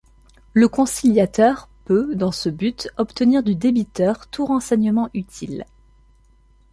Le conciliateur peut, dans ce but, obtenir du débiteur tout renseignement utile.